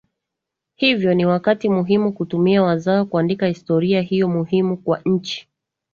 hivyo ni wakati muhimu kutumia wazawa kuandika historia hiyo muhimu kwa nchi